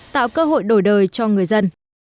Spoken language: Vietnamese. tạo cơ hội đổi đời cho người dân